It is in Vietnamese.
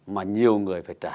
mà nhiều người phải trả